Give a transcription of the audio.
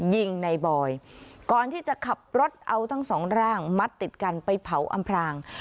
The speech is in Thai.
ยิงในบอยก่อนที่จะขับรถเอาทั้งสองร่างมัดติดกันไปเผาอำพราง